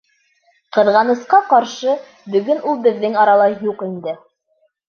Ҡыҙғанысҡа ҡаршы, бөгөн ул беҙҙең арала юҡ инде.